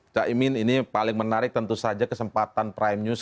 caimin ini paling menarik tentu saja kesempatan prime news